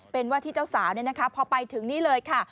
เป็นว่าที่เจ้าสาวพอไปถึงนี่เลยค่ะ